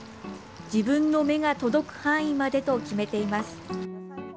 自分の目が届く範囲までと決めています。